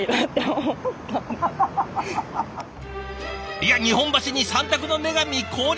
いや日本橋に三択の女神降臨。